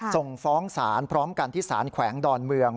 ส่งฟ้องศาลพร้อมกันที่สารแขวงดอนเมือง